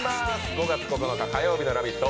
５月９日火曜日の「ラヴィット！」。